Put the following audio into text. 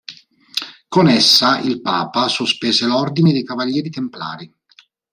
Con essa il papa sospese l'ordine dei Cavalieri templari.